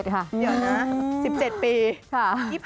๑๗ค่ะ๑๗ปี